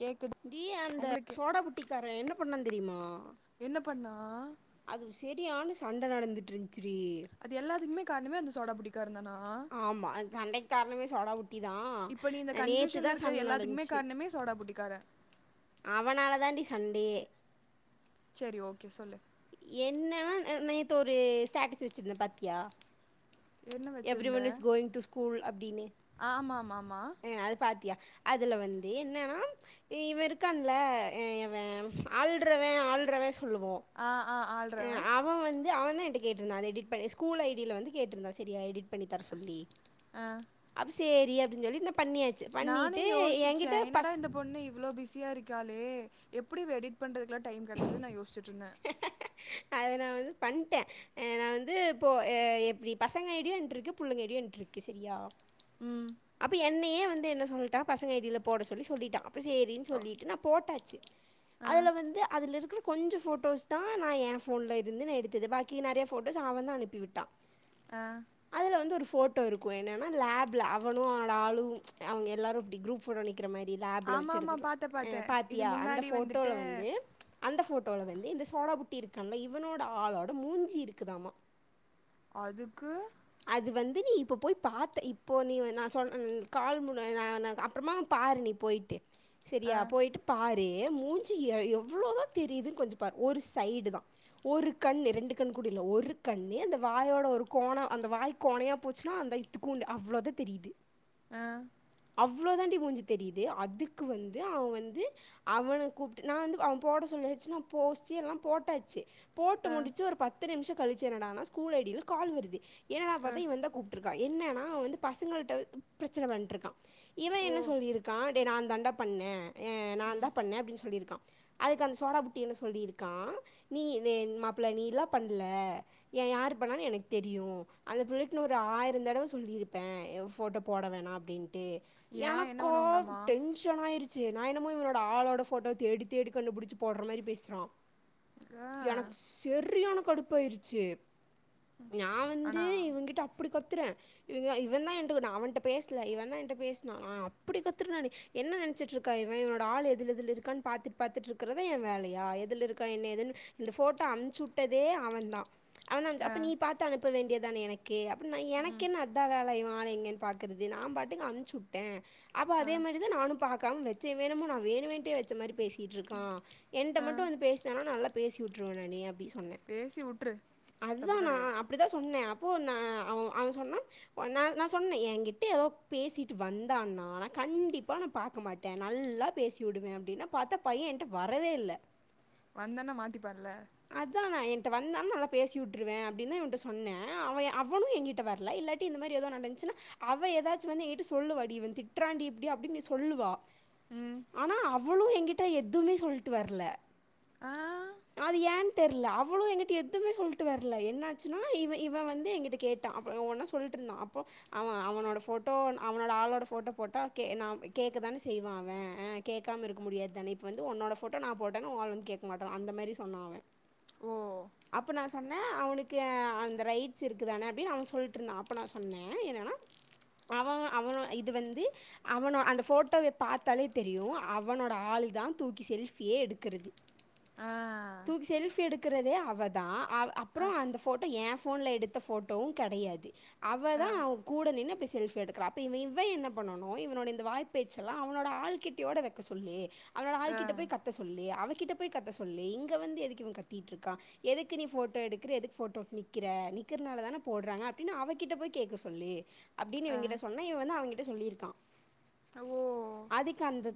கேக்குது டி அந்த உங்களுக்கு சோடா புட்டிக்கார என்ன பண்ணா தெரியுமா என்ன பண்ணா அது செரியான சண்ட நடந்துட்ருந்ச்சுரி அது எல்லாத்துக்குமே காரணமே அந்த சோடா புட்டி காரந்தானா ஆமா சண்டைக்கி காரணமே சோடா புட்டிதா அ நீ டியூசன்ல இருக்ற எல்லாத்துக்குமே காரணமே சோடா புட்டிக்காரே அவனாலதாண்டி சண்டையே செரி ஓகே சொல்லு என்னனா நேத்து ஒரு ஸ்டேட்டஸ் வெச்சிருந்தே பாத்தியா என்ன எவ்ரி வச்சிருந்த one's going to school அப்டினு ஆமா ஆமா ஆமா அது பாத்தியா அதுல வந்து என்னனா ஏ இவ இருக்கான்ல இவெ ஆள்றவெ ஆள்றவெ சொல்லுவோ ஆ ஆ ஆ அ ஆப் அவ வந்து அவன்தா என்ட்ட கேட்டிருந்தா அத எடிட் பண்ணி ஸ்கூல் ஐடியில வந்து கேட்டிருந்தா செரியா எடிட் பண்ணி தர சொல்லி ஆ அப்ப சேரி அப்டின் சொல்லி நா பண்ணியாச் நானு யோசிச்ச என்னடா இந்த பொண்ணு இப் இவ்ளோ பிஸியா இருக்காலே எப்டி இவ எடிட் பண்றதுக்குலா டைம் கெடச்சது நா யோஸ்சுட்டு இருந்த அத நா வந்து பண்ட்ட அ நா வந்து இப்போ எ எப்டி பசங்க ஐடியு என்ட்டருக்கு புள்ளங்க ஐடியு என்ட்ருக் செரியா ம் அப்ப என்னையே வந்து என்ன சொல்ட்டா பசங்க ஐடில போட சொல்லி சொல்லிட்டா அப்ப சேரின் ஓ சொல்லிட்டு நா போட்டாச்சு ஆ அதுல வந்து அதுல இருக்கிற கொஞ்ச ஃபோட்டோஸ் தா நா ஏ ஃபோன்லருந்து எடுத்தது பாக் கி நறைய ஃபோட்டோஸ் அவந்நா அனுப்பி உட்டா ஆ அதுல வந்து ஒரு ஃபோட்டோ இருக்கு என்னன்னா லேப்ல அவுனு அவனோட ஆளு அவைங்க எல்லாரு அப்டி குரூப் ஃபோட்டோ நி க்கிற மாரி லேபில ஆமா வச்சு ஆமா எடுக்றோ பாத்தே அ பாத்தே இது பாத்தியா அந்த முன்னாடி ஃபோட்டோல வந்துட்டு வந்து அந்த ஃபோட்டோல வந்து இந்த சோடாபுட்டி இருக்கான்ல இவனோட ஆளோட மூஞ்சி இருக்குதாமா அதுக்கு அது வந்து நீ இப்போ போயி பாத்த இப்போ நீ நா சொல் அம் கால் முட ந ந அப்பறமா பாரு நீ போய்ட்டு ஆ செரியா போயிட்டு பாரு மூஞ்சி எ எவ்ளோதா தெரியுது கொஞ்ச பாரு ஒரு சைடு தா ஒரு கண்ணு ரெண்டு கண் கூட இல்ல ஒரு கண்ணு இந்த வாயோட ஒரு கோண அந்த வாய்க் கோனையா போச்சுன்னா அந்த இத்துக்கோண்டு அவ்ளோதா தெரியுது ஆ அவ்ளோ தாண்டி மூஞ்சி தெரியுது அதுக்கு வந்து அவ வந்து அவன கூப்ட்டு நா வந்து அவ போட சொல்லியாச்சு நா போஸ்ட்டு எல்லா போட்டாச்சு போட்டு ஆ முடிச்சு ஒரு பத்து நிம்ஷோ கழிச்சு என்னடானா ஸ்கூல் ஐடில கால் வருது என்னாடா ஆ பாத்தா இவ தா கூப்ட்டுருக்கா என்னனா அவ வந்து பசங்கள்ட்ட பிரச்சன பண்ணிட்ருக்கா இவ ஓ என்ன சொல்லிருக்கா டே நா தாண்டா பண்ண ஏ ம் நாந்தா பண்ண அப்டின்னு சொல்லிருக்கா அதுக்கு அந்த சோடா புட்டி என்ன சொல்லியிருக்கா நீ டே மாப்ள நீ லா பண்ல ஏ யாரு பண்ணான் எனக்கு தெரியு அந்த புள்ளைட்ட ஒரு ஆயிரோ தடவ சொல்லிருப்பே ஏ ஃபோட்டோ போட வேணா அப்டின்ட்டு ஏன் என்ன எனக்கா பண்ணுவாங்களாமா டென் ஷன் ஆயிருச்சு நா என்னமோ இவனோட ஆளோட ஃபோட்டோ தேடி தேடி கண்டுபுடிச்சு போடுற மாரி பேசுறா ஆ எனக்கு சரியான கடுப்பு ஆயிருச்சு நா வந் ஆனா அப்புடி கத்துருர இவ இவ தா என்ட்ட நா அவன்ட்ட பேசல இவன்தா என்ட்ட பேசுனா ஆ அப்புடி கத்துன நானு என்ன நெனச்சிட்ருக்கா இவ இவனோட ஆள் எதுல எதுல இருக்கான் பாத்தட் பாத்துட்ருக்கறதா ஏ வேலயா எதுல இருக்கா என்ன எதுன்னு இந்த ஃபோட்டோ அம்ச்சு உட்டதே அவந்தா அவன்தா அம்ச்சா ஆ அப்போ நீ பாத்து அனுப்ப வேண்டியதான எனக்கு அப்ப நா எனக்கு ம் என்ன எந்த வேல இவ ஆளு எங்கேன் பாக்கறது நா பாட்டுக்கு அம்ச்சு உட்டே அப்ப ஆ அதே மாரி தா நானு பாக்காம வச்சே இவ எனமோ நா வேணுமிண்ட்டே வச்ச மாரி பேசிட்டுருக்கா என்கிட்ட ஆ மட்டு வந்து பேசுனானா நல்லா பேசி உட்டுருவே நானு அப்டினு சொன்ன பேசி விட்ரு அதுதா தப்பு நா கிடையாது அப்டிதா சொன்ன அப்போ நா அவ அவ சொன்னா ந நா சொன்ன என்கிட்ட ஏதோ பேசிட்டு வந்தான்னா நா கண்டிப்பா நா பாக்க மாட் ட நல்லா பேசிவிடுவே அப்டின்னா பாத்தா பைய என்ட்ட வரவே இல்ல வந்தனா மாட்டிப்பால்ல அதா நா என்ட்ட வந்தானா நல்லா பேசி உட்டுருவே அப்டின்தா இவன்ட்ட சொன்னே அவ அவனு எங்கிட்ட வரல இல்லாட்டி இந்த மாரி ஏதோ நடந்துச்சுன்னா அவ ஏதாச்சு வந்து என்ட்ட சொல்லுவா டி இவ திட்றாண்டி இப்டி அப்டின்னு சொல்லுவா ம் ஆனா அவளு எங்கிட்ட எதுமே சொல்ட்டு வரல ஆ அது ஏன் தெர்ல அவளு ஏங்கிட்ட எதுமே சொல்லிட்டு வர்ல என்னாச்சுனா இவ இவன் வந்து ஏங்கிட்ட கேட்டா அப்போ ஒவ்வொண்ணா சொல்லிட்ருந்தா அப்றோ அவ அவனோட ஃபோட்டோ அவனோட ஆளோட ஃபோட்டோ போட்டா நா கேக்கதானே செய்வா அவே கேக்காம இருக்க முடியாது தானே இப்போ வந்து ஒன்னோட ஃபோட்டோ நா போட்டேனா ஓ ஆள் வந்து கேக் மாட்டா அந்த மாரி சொன்னா அவே உ அப்ப நா சொன்னே அவனுக்கு அ ரைட்ஸ் இருக்குதானே அப்டின்னு அவ சொல்ட்ருந்தா அப்ப நா சொன்னே என்னனா அவவ அவன இது வந்து அவனோ அந்த போட்டோவ பாத்தாலே தெரியு அவனோட ஆளு தா தூக்கி செல்ஃபியே எடுக்குறது ஆ தூக்கி செல்ஃபி எடுக்குறதே அவதா அ அப்புறோ ஆ அந்த ஃபோட்டோ ஏ ஃபோன்ல எடுத்த ஃபோட்டோவு கெடையாது ஆ அவதா அவ கூட நின்னு இப்டி செல்ஃபி எடுக்குறா அப்ப இவ இவ்வ என்ன பண்ணனு இவனுடைய இந்த வாய்ப் பேச்செல்லா அவனோட ஆள்கிட்டையோட வைக்க சொல்லி அவனோட ஆ ஆள்கிட்ட போய் கத் த்த சொல்லி அவகிட்ட போயி கத்த சொல்லி இங்க வந்து எதுக்கு இவன் கத்திட்டு இருக்கா எதுக்கு நீ ஃபோட்டோ எடுக்குற எதுக்கு ஃபோட்டோ நிக்கிற நிக்கிறனால தானே போடுறாங்க அப்டினு அவகிட்ட போயி கேக்க சொல்லு அப்டின்னு ஆ இவங்கிட்ட சொன்னா இவ வந்து அவங்கிட்ட சொல்லியிருக்கான் அ ஓ அதுக்கு அந்த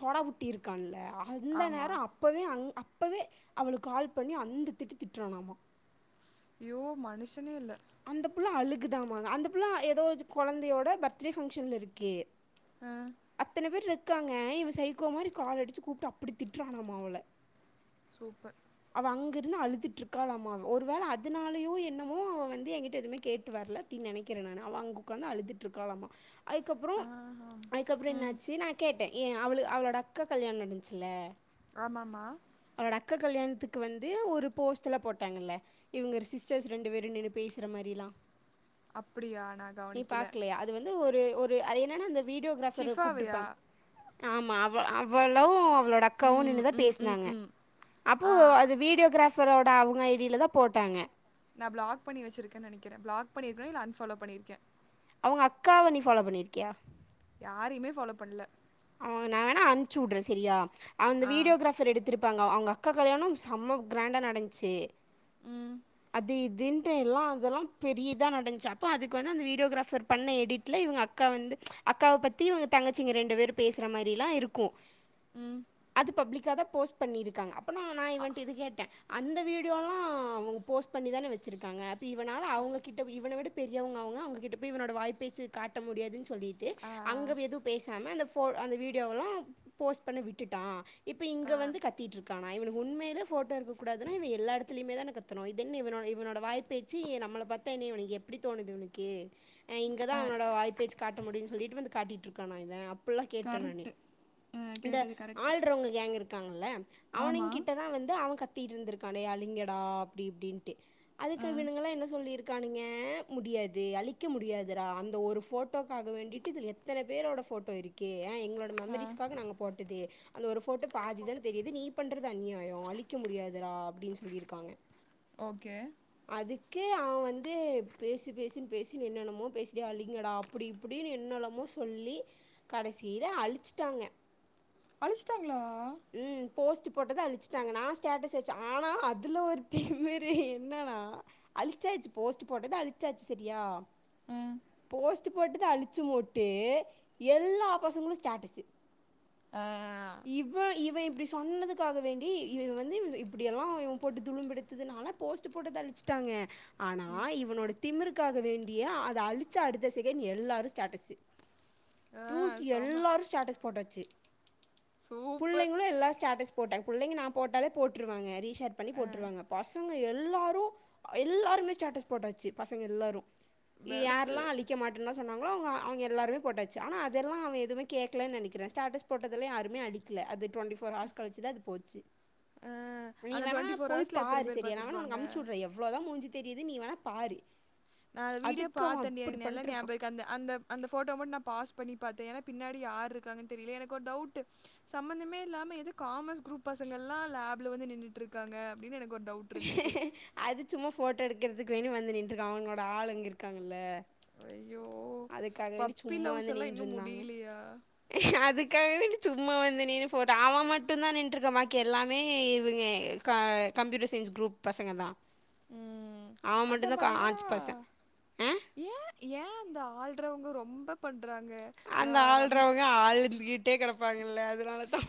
சோடாபுட்டி இருக்கான்ல அந்த நேரோ ஆமாம் அப்போவே அங் அப்போவே அவளுக்கு கால் பண்ணி அந்த திட்டு திட்டுறானாமா நாம்மா ஒ மனுஷனே இல்ல அந்த புள்ள அழுக்குதாமா அந்த புள்ள ஏதோ கொழந்தையோட பர்த்டே ஃபங்ஷன்ல இருக்கு அ அத்தன பேர் இருக்காங்க இவ சைக்கோ மாரி கால் அடிச்சு கூப்டு அப்டி திட்டுறானாமா அவள சூப்பர் அவ அங்க இருந்து அழுதுட்ருக்காளாமா ஒரு வேள அதனாலயோ என்னமோ அவ வந் ஏங்கிட்ட எதுவுமே கேட்டு வர்ல அப்டின்னு நெனைக்கிறே நானு அவ அங்க உக்காந்து அழுதுட்டு இருக்கலாமா அதுக்கப்றோ ஆ ஆம். அதுக்கப்றோ ம் என்னாச்சு நா கேட்டே ஏ அவளு அவளோட அக்கா கல்யாணோ நடந்துச்சுல்ல ஆமாமா அவளோட அக்கா கல்யாணத்துக்கு வந்து ஒரு போஸ்ட்ல போட்டாங்கல்ல இவுங்க ரிசிஸ்டர்ஸ் ரெண்டு பேரு நின்னுப் பேசுற மாரிலா அப்டியா நா கெவனிக்கல து வந்து ஒரு ஒரு அது என்னனா அந்த வீடியோகிராஃபர் அ கூப்டு ஷிஃபாவையா இருப்பாங்க ஆமா அவ அவளு அவளோட அக்காவு ம் நின்னு ம் ம் பேசுனாங்க ம் அப்போ ஆ அது வீடியோகிராஃபரோட அவுங்க ஐ டி யில தா போட்டாங்க நா ப்ளாக் பண்ணி வச்சுருக்கனு நெனைக்கிறே ப்ளாக் பண்ணிருக்கனு இல்ல அன்ஃபாலோ பண்ணிருக்கே அவுங்க அக்காவ நீ ஃபாலோ பண்ணிருக்கியா யாரையுமே ஃபாலோ பண்ணல அவ நான வேணா அம்ச்சு விட்றே செரியா அந்த ஆ வீடியோகிராஃபர் எடுத் திருப்பாங்க அவங்க அக்கா கல்யாணோ செம்ம க்ராண்டா நடந்துச்சு ம் அது இதுன்ட்டு எல்லா அதெல்லா பெரிய இதா நடந்துச்சு அப்ப அதுக்கு வந்து அந்த வீடியோகிராஃபர் பண்ண எடிட்ல இவுங்க அக்கா வந்து அக்காவ பத்தி இவுங்க தங்கச்சிங்க ரெண்டுவேரு பேசுற மாரிலா இருக்கு ம் அது பப்ளிக்காக தா போஸ்ட் பண்ணியிருக்காங்க அப்போ நான இவன்ட இது கேட்டே அந்த வீடியோல்லா அவங்க போஸ்ட் பண்ணிதானே வெச்சிருக்காங்க அது இவனால அவங்ககிட்ட இவன விட பெரியவங்க அவங்க அவங்ககிட்ட போய் இவனோட வாய் பேச்சு காட்ட முடியாது சொல்லிட்டு ஆ அங்க எதுவு பேசாம அந்த போ அந்த வீடியோவெல்லா போஸ்ட் பண்ண விட்டுட்டா இப்ப இங்க ஆ வந்து கத்திட்டு இருக்கானா இவனுக்கு உண்மேலே போட்ட இருக்க கூடாது இவ எல்ல எடத் த்தலையுமே தானே கத்துணு இதென்ன இவ இவனோட வாய் பேச்சு நம்மள பத்தா என்ன இவனுக்கு எப்டி தோனுது இவனுக்கு இங்கதா ஆ அவனோட வாய்பேச்சு காட்ட முடியுனு சொல்லிட்டு வந்து காட்டிட்டு இருக்கானா இவ அப்பில்லா கேட்டே நானு கரெக்ட்டு ஆ இந்த கேட்டது கரெக்ட்டு ஆளுறவங்க கேங் இருக்காங்கல்ல ஆமா அவனுங் கிட்டதா வந்து அவ கத்திட்டு இருந்திருக்கா டேய் அழிங்கடா அப்டி இப்டின்ட்டு அதுக்கு ஆ இவனுங்களா என்ன சொல்லியிருக்கானீங்க முடியாது அழிக்க முடியாதுரா அந்த ஒரு போட்டோ போட்டோக்காக வேண்டிட்டு இதில் எத்தன பேரோட போட்டோ இருக்கீ ஏ எங்களோடய ஆ மெமரிஸ்க்காக நாங்க போட்டது அந்த ஒரு போட்டோ பாதிதான் தெரியுது நீ பண்றது அநியாயோ அழிக்க முடியாதுரா அப்டின்னு சொல்லி இருக்காங்க ஓகே அதுக்கு அவ வந்து பேசி பேசுன்னு பேசுன்னு என்னனுமோ பேச்டா டேய் அழிங்கடா அப்டி இப்டின்னு என்னலமோ சொல்லி கடைசியில அழிச்சிட்டாங்க அழிச்சிட்டாங்களா ம் போஸ்ட் போட்டதா அழிச்சிட்டாங்க நா ஸ்டேட்டஸ் வெச்சே ஆனா அதில ஒரு திமிரு என்னன்னா அழிச்சாச்சு போஸ்ட் போட்டது அழிச்சாச்சு செரியா ஆ போஸ்ட்டு போட்டுது அழிச்சு போட்டு எல்லா பாசங்களு ஸ்டேட்டஸ்சு ஆ இவ இவ இப்டி சொன்னதுக்காக வேண்டி வந்து இப்டியெல்லா இன் போட்டு துணிவு எடுத்ததுனால போஸ்ட் போட்டத அழிச்சிட்டாங்க ஆனா ம் இவனோட திமிருக்காக வேண்டியே அத அழி ச்சு அடுத்த செக்ட் எல்லாரு ஸ்டேட்டஸ்சு ஆ தூக்கி செம எல்லாரு ஸ்டேட்டஸ் போட்டாச்சு [unintelligible] புள்ளிங்களு எல்லா ஸ்டேட்டஸ் போட்டாங்க புள்ளிங்க நா போட்டாலே போட்டுருவாங்க ரீஷேர் பண்ணி ஆ போட்டுருவாங்க பசங்க எல்லாரு எல்லாருமே ஸ்டேட்டஸ் போட்டாச்சு பசங்க எல்லாரு வெடப்பு யார்லா அழிக்க மாட்டேன்னா சொன்னாங்களோ அவங்க அவங்க எல்லாருமே போட்டாச்சு ஆனா அதெல்லா அவ எதுவுமே கேகலன்னு நெனக்கிறே ஸ்டேட்டஸ் போட்டதெல்லா யருமே அழிகல அது டுவென்டி ஃபோர் ஹவர்ஸ் கழிச்சி தா அது போச்சு ஆ நீ அந்த வேணா டுவெண்ட்டி ஃபோர் ஹவர்ஸ்ல எத்தன பேர் பாத்துருப்பாங்க அவ்ளோதா மூஞ்சு தெரியது நீ வேணா பாரு நா அந்த வீடியோ அதுக்கு அவன் பாத்தண்டி அப்படி எனக்கு நல்லா நியா பண்ணிட்டுருக்கான் அந்த அந்த ஃபோட்டவ மட்டு நா பாஸ் பண்ணி பாத்தே ஏன்னா பின்னடி யார் இருக்காங்கன்னு தெரில எனக்கு ஒரு டவுட் சம்பந்தமே இல்லாம எதுக் காமர்ஸ் குரூப் பசங்கல்லா லேப்ல வந்து நின்னுட்டுரு ருக்காங்க அப்டின்னு எனக்கு ஒரு டவுட் இருந்துச்சு அது சும்மா போட்டோ எடுக்கிறதுக்கு வேணி வந்து நின்ட்டு இருக்காங்க அவங்களோட ஆள் அங்க இருக்காங்கல்ல ஐய்யோ அதுக்காக வேண்டி பப்பி சும்மா லவ்ஸ் வந்து எல்லா இன்னு நின்றுருந்தாங்க முடிலியா அதுக்காகவே சும்மா வந்து நின்னு போட்ட அவ மட்டு தா நின்ட்டுருக்கா பாக்கி எல்லாமே இவங்க க கம்ப்யூட்டர் சயின்ஸ் குரூப் பசங்க தா ம் அதா பாத்தே என்னடா பர்சன் ஆ ஏ ஏ அந்த ஆளுறவங்க ரொம்ப பண்றாங்க நா அந்த ரம் ஆள்றவங்க ஆள்ந்துட்டே கெடப்பாங்கல்ல அதனாலதா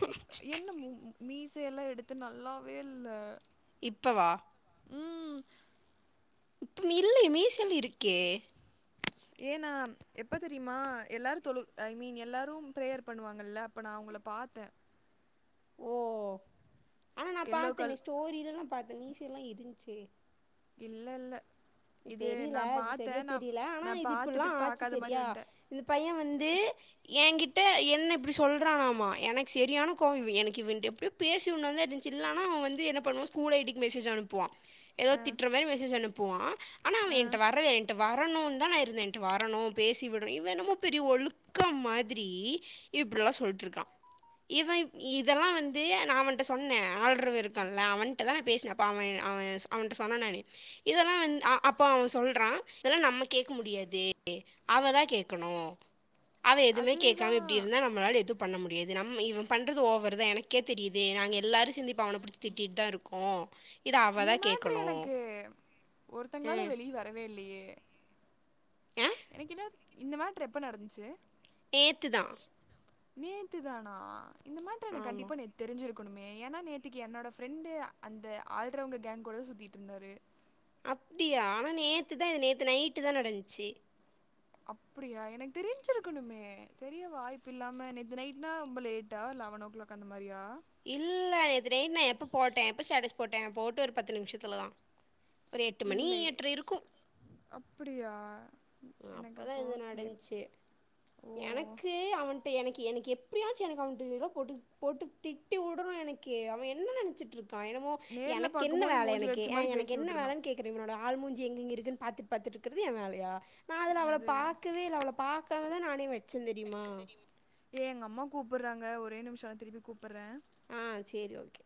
என்ன மீசையெல்லா எடுத்து நல்லாவே இல்ல இப்பவா ம் ப் இல்ல மீசல் இருக்கே ஏனா எப்ப தெரியுமா எல்லாரு தொழு ஐ மீன் எல்லாரும் பிரேயர் பண்ணுவாங்கல்ல அப்ப நா அவங்கள பாத்த ஓ ஆனா நா எல்லோ பாத்தனே கல் ஸ்டோரியில நா பாத்த மீசல இருந்ச்சே இல்ல இல்ல இது தெரியல நான் அது சரியா பாத்தேன் நான் தெரியல ஆனா நான் இது இப்யில்லா பாத்துட்டு ஆச்சு பாக்காத மாரி சரியா வந்ட்டேன் இந்த பையன் வந்து என்கிட்ட என்ன இப்டி சொல்றானாமா எனக்கு செரியான கோவோ இவ எனக்கு இவன்ட எப்டி பேச உனுந்த இருந்துச்சு இல்லன்னா அவன் வந்து என்ன பண்ணுவான் ஸ்கூல் ஐடிக்கு மெசேஜ் அனுப்புவா ஏதோ அ திட்ற மேறி மெசேஜ் அனுப்புவா ஆனா அவ அ என்ட்ட வரவே என்ட வரணு தா நா இருந்த என்ட வரணு பேசி விடணும் இவ என்னமோ பெரிய ஒழுக்கம் மாதிரி இப்டில்லா சொல்ட்டுருக்கா இவன் இதெல்லா வந்து நா அவன்ட்ட சொன்ன ஆளுறவு இருக்கான்ல அவன்ட்ட தா நான் பேசுன அவே அவே அவன்ட்ட சொன்ன நானு இதெல்லா வந் அ அப்போ அவன் சொல்றான் இதெல்லா நம்ம கேட்க முடியாது அவதா கேக்கணு அவ எதுமே கேட்காம அதுதான் இப்டி இருந்தா நம்மளால எது பண்ண முடியாது நம் இவன் பண்றது ஓவர் தான் எனக்கே தெரியுது நாங்க எல்லாரு சேந்து இப்ப அவன புடிச்சி திட்டிட் தா இருக்கோ இந்த மேட்ரு எனக்கு ஒருத்தங்களால ம் வெளிய வரவே இல்லையே ஆ எனக் இன்னேறத்துக் இந்த மேட்ரு எப்ப நடந்துச்சு நேத்துதா நேத்து தானா இந்த மேட்டர் எனக்கு ஆமாம் கண்டிப்பா நேத் தெரிஞ்சிருக்கணுமே ஏன்னா நேத்திக்கு என்னோடய ஃப்ரெண்டு அந்த ஆல்ரவுங்க கேங்க் கூட தா சுத்திட்டுருந்தாரு அப்டியா ஆனா நேத்து தா நேத்து நைட்டு தா நடந்ச்சு அப்டியா எனக்கு தெரிஞ்சிருக்கணுமே தெரிய வாய்ப்பு இல்லாம நேத்து‌ நைட்னா ரொம்ப லேட் டா லெவன்னோ க்ளோக் அந்த மாறியா இல்ல நேத்து நைட் நா எப்போ போட்ட எப்போ ஸ்டேட்டஸ் போட்ட போட்டு ஒரு பத்து நிமிஷத்துல தா ஒரு எட்டு மணி எட்ற இருக்கு அப்டியா அப்பதா இது நடந்துச்சு ஓ எனக்கு அவன் எனக்கு எனக்கு எப்படியாச்சு எனக்கு அவட்டு போட்டு போட்டு திட்டி உடணும் எனக்கு அவன் என்ன நெனைச்சிட்டு இருக் கா என்னமோ நேர்ல எனக்கு என்ன பார்க்கும்போது வேல மூஞ்சில எனக்கு அடிச்ச ஆ மாதிரி எனக்கு பேசி என்ன விட்டுறணும் வேலைன்னு கேக் கற இவனோட ஆள் மூஞ்சி எங்கங்க இருக்குனு பாத்துட்டு பாத்துட்டுருக்கறது என் வேலையா நா அதுல அது பாக்கவே இல்ல அவள பாக்காம தா நானே வச் ஏ எங்க அம்மா கூப்புறாங்க ஒரே நிமிஷோ திருப்பி கூப்புட்ற ஆ சேரி ஓகே